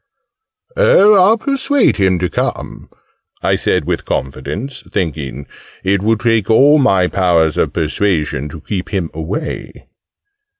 "Oh, I'll persuade him to come!" I said with confidence thinking "it would take all my powers of persuasion to keep him away!"